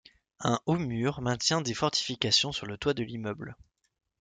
Un haut mur maintient des fortifications sur le toit de l'immeuble.